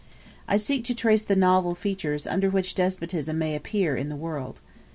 ] I seek to trace the novel features under which despotism may appear in the world.